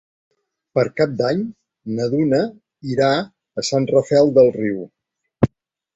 Per Cap d'Any na Duna irà a Sant Rafel del Riu.